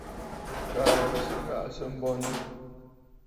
Kaa bì ghàʼà sɨ̀ bɔŋə̀.